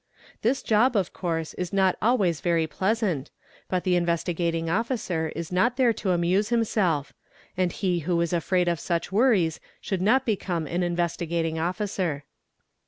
'This job, of course, is not always very pleasant, but the Investigating Officer is not there to amuse mmself; and he who is afraid of such worries should not become an investigating Officer.